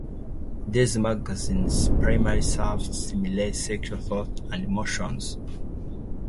These magazines primarily serve to stimulate sexual thoughts and emotions.